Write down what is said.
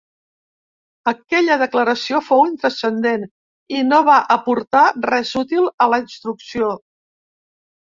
Aquella declaració fou intranscendent i no va aportar res útil a la instrucció.